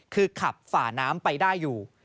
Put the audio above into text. คือขับฝ่าน้ำไปได้อยู่